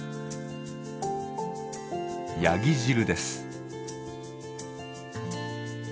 ヤギ汁です。